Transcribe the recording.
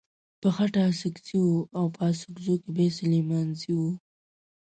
په خټه اڅکزی و او په اڅګزو کې بيا سليمانزی و.